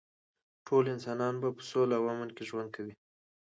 ټول انسانان به په سوله او امن کې ژوند کوي